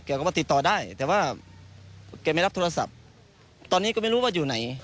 เขาไม่รับโทรศัพท์ตอนนี้ก็ไม่รู้ว่าอยู่ไหน